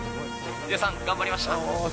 ヒデさん、頑張りました。